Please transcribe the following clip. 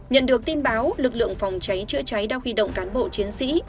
nhận được tin báo lực lượng phòng cháy chữa cháy đã huy động cán bộ chiến sĩ